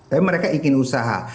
tapi mereka ingin usaha